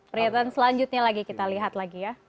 pernyataan selanjutnya lagi kita lihat lagi ya